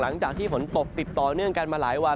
หลังจากที่ฝนตกติดต่อเนื่องกันมาหลายวัน